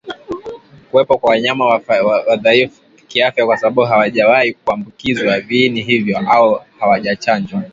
Kuwepo kwa wanyama wadhaifu kiafya kwa sababu hawajawahi kuambukizwa viini hivyo au hawajachanjwa